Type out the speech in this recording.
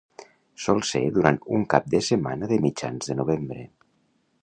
Sol ser durant un cap de setmana de mitjans de novembre.